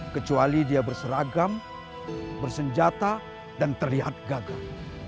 kecuali dia berseragam bersenjata dan terlihat gagal